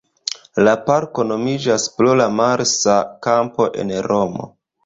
La parko nomiĝas pro la Marsa Kampo en Romo.